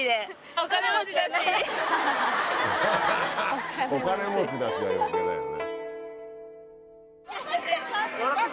「お金持ちだし」は余計だよね。